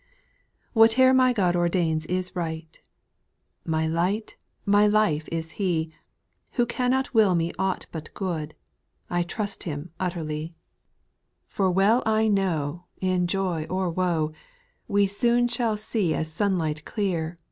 5. Whatever my God ordains is right I My Light, my Life is He, Who cannot will me aught but good, I trust Him utterly ; 846 SPIRITUAL SONGS. For well I know, In joy or woe, We soon shall see as sunlight clear.